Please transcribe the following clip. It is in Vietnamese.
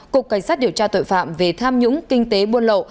cục cảnh sát điều tra tội phạm về tham nhũng kinh tế buôn lậu